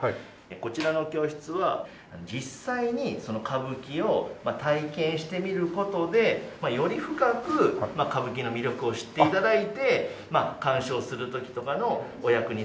こちらの教室は実際に歌舞伎を体験してみる事でより深く歌舞伎の魅力を知って頂いてまあ鑑賞する時とかのお役に立てて頂いたり。